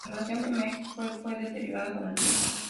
La relación con Metcalf se fue deteriorando con el tiempo.